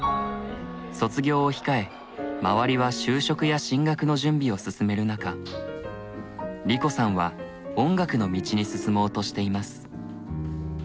卒業を控え周りは就職や進学の準備を進める中梨子さんは音楽の道に進もうとしています。